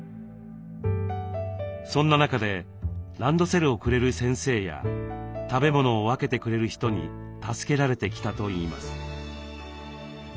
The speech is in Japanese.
そんな中でランドセルをくれる先生や食べ物を分けてくれる人に助けられてきたといいます。